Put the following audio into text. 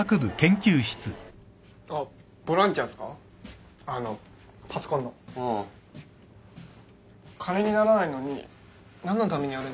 金にならないのに何のためにやるんですか？